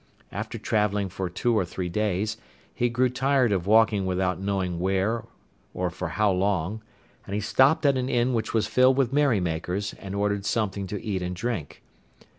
After travelling for two or three days, he grew tired of walking without knowing where or for how long, and he stopped at an inn which was filled with merrymakers and ordered something to eat and drink.